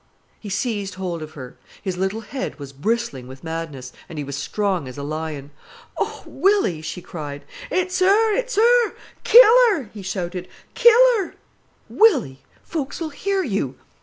He seized hold of her. His little head was bristling with madness, and he was strong as a lion. "Oh, Willy!" she cried. "It's 'er, it's 'er. Kill her!" he shouted, "kill her." "Willy, folks'll hear you."